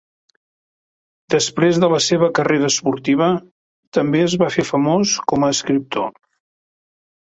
Després de la seva carrera esportiva, també es va fer famós com a escriptor.